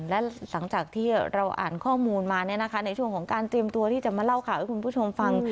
และหลังจากที่เราอ่านข้อมูลมาในช่วงของการเตรียมตัวที่จะมาเล่าข่าวให้คุณผู้ชมฟัง